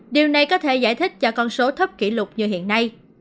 điều này có thể giải thích cho con số thấp kỷ lục như hiện nay